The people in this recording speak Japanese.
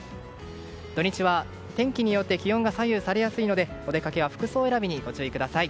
土日は天気によって気温が左右されやすいのでお出かけは服装選びにご注意ください。